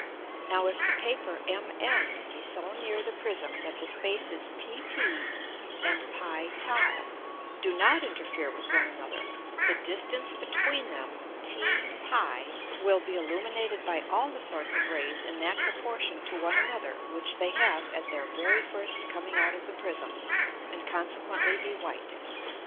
Now if the Paper MN be so near the Prism that the Spaces PT and [Greek: pt] do not interfere with one another, the distance between them T[Greek: p] will be illuminated by all the sorts of Rays in that proportion to one another which they have at their very first coming out of the Prism, and consequently be white.